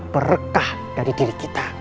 berkah dari diri kita